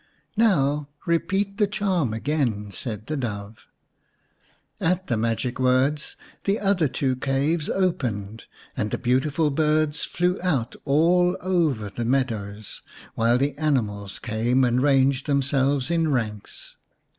" Now repeat the charm again," said the Dove. At the magic words the other two caves opened and the beautiful birds flew out all over the meadows, while the animals came and ranged themselves in ranks.